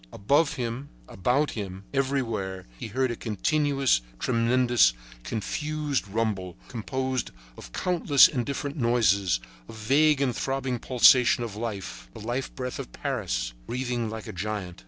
About him, above him, everywhere, he heard a continuous, tremendous, confused rumble, composed of countless and different noises, a vague and throbbing pulsation of life: the life breath of Paris, breathing like a giant.